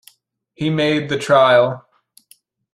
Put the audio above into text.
He made the trial.